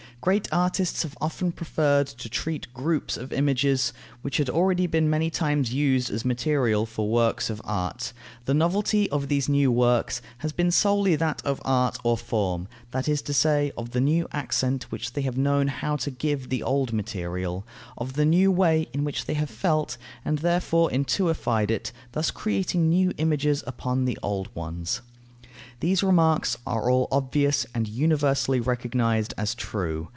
Great artists have often preferred to treat groups of images, which had already been many times used as material for works of art. The novelty of these new works has been solely that of art or form, that is to say, of the new accent which they have known how to give to the old material, of the new way in which they have felt and therefore intuified it, thus creating new images upon the old ones. These remarks are all obvious and universally recognized as true.